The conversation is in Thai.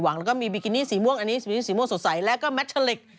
แว่นตานี่เขาช่วยนี่หุ่นคนเหรอเนี่ย